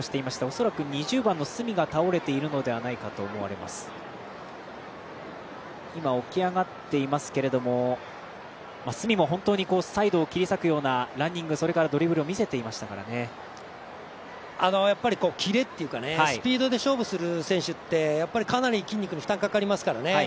恐らく２０番の角が倒れているのではないかと今、起き上がっていますけれども角も、本当にサイドを切り裂くようなランニング、ドリブルをキレっていうかスピードで勝負する選手ってかなり筋肉に負担がかかりますからね。